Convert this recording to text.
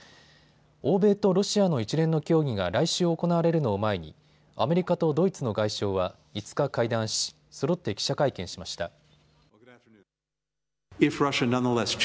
欧米とロシアの一連の協議が来週行われるのを前にアメリカとドイツの外相は５日、会談しそろって記者会見しました。